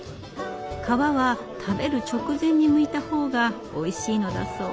皮は食べる直前にむいた方がおいしいのだそう。